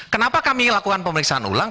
kenapa kami lakukan pemeriksaan ulang